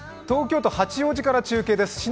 東京都八王子から中継です。